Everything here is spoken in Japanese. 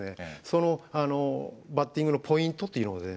そのバッティングのポイントというのをね